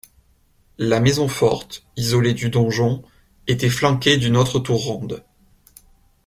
La maison forte, isolée du donjon, était flanquée d'une autre tour ronde.